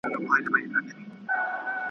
چي ده سم نه کړل خدای خبر چي به په چا سمېږي .